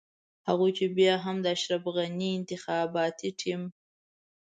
هغوی بيا هم د اشرف غني انتخاباتي ټيم.